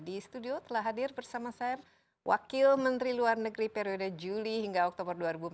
di studio telah hadir bersama saya wakil menteri luar negeri periode juli hingga oktober dua ribu empat belas